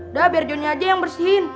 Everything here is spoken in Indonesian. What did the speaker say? udah biar johnnya aja yang bersihin